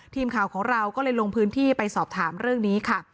ทีมข่าวของเราก็เลยลงพื้นที่ไปสอบถามเรื่องนี้ค่ะ